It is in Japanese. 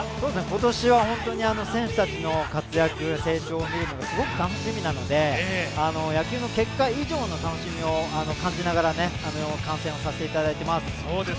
今年は本当に選手たちの活躍、成長を見るのがすごく楽しみなので野球の結果以上の楽しみを感じながら観戦させていただいています。